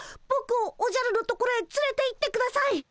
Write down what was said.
ぼくをおじゃるのところへつれていってください。